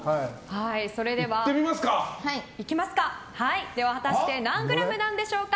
それでは、果たして何グラムなんでしょうか。